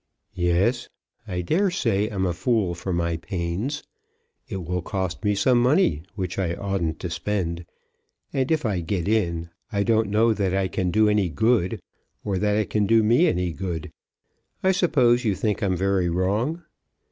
"Yes. I dare say I'm a fool for my pains. It will cost me some money which I oughtn't to spend; and if I get in I don't know that I can do any good, or that it can do me any good. I suppose you think I'm very wrong?"